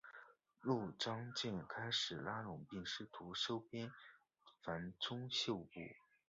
陆建章乃开始拉拢并试图收编樊钟秀部。